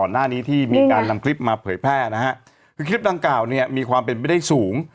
หน้านี้ที่มีการนำคลิปมาเผยแพร่นะฮะคือคลิปดังกล่าวเนี่ยมีความเป็นไปได้สูง